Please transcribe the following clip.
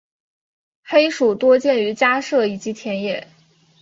黑鼠多见于家舍以及田野。